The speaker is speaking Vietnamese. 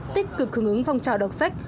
tích cực hưởng ứng phòng trào đọc sách